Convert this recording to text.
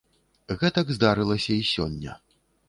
Гэтак здарылася і сёння.